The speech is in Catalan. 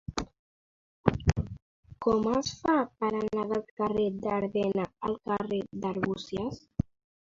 Com es fa per anar del carrer d'Ardena al carrer d'Arbúcies?